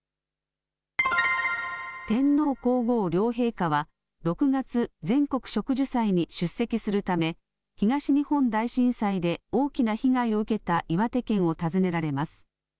天皇皇后両陛下は６月、全国植樹祭に出席するため東日本大震災で大きな被害を受けた岩手県を訪ねられます。